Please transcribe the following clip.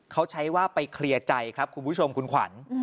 เขาใช้ว่าไปเคลียร์ใจครับคุณผู้ชมคุณขวัญ